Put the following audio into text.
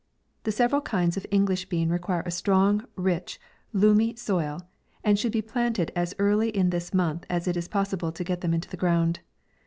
The several kinds of English bean require a strong, rich, loamy soil, and should be planted as early in this month as it is possible to get them into the ground.